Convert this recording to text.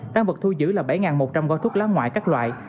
tăng vật thu giữ là bảy một trăm linh gói thuốc lá ngoại các loại